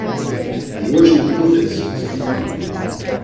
The origin of the codex is unknown.